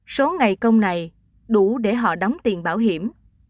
số ngày công này đủ để họ đóng tiền bảo hiểm